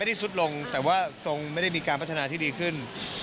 ที่สุดลงแต่ว่าทรงไม่ได้มีการพัฒนาที่ดีขึ้น